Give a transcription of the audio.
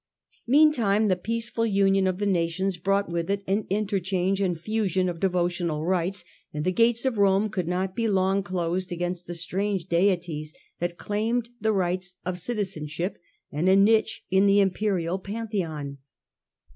3. Meantime the peaceful union of the nations brought with it an interchange and fusion of devotional 3. The in rites, and the gates of Rome could not be long closcd against the strange deities that and rites. claimed the rights of citizenship and a niche in the imperial Pantheon.